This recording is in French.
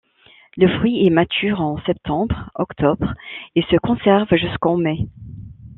Le fruit est mature en septembre-octobre et se conserve jusqu'en mai.